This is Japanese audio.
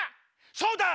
そうだ！